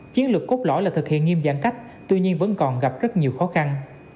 chiến lược cốt lõi là thực hiện nghiêm giãn cách tuy nhiên vẫn còn gặp rất nhiều khó khăn